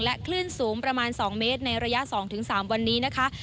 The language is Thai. คลื่นสูงประมาณ๒เมตรในระยะ๒๓วันนี้นะคะ